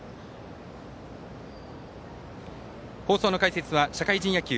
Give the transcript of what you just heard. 放送の解説は社会人野球